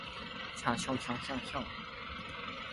查埔食年柑，賺錢真輕鬆